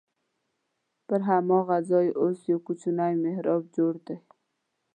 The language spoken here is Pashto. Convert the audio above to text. پر هماغه ځای اوس یو کوچنی محراب جوړ دی.